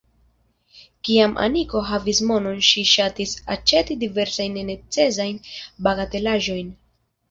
Kiam Aniko havis monon ŝi ŝatis aĉeti diversajn nenecesajn bagatelaĵojn.